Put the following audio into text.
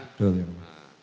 betul ya irfan